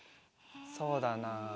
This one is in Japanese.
そうだな。